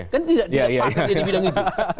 kan tidak pahit di bidang itu